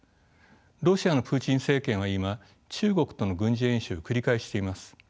ロシアのプーチン政権は今中国との軍事演習を繰り返しています。